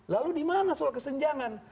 lalu di mana soal kesenjangan